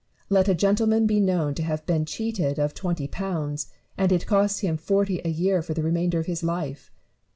Let a gentleman be known to have been cheated of twenty pounds, and it costs him forty a year for the remainder of his life.